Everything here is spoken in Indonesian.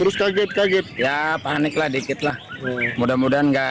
sempat panik jadi enggak